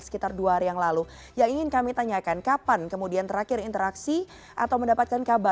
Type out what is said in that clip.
selamat sore mbak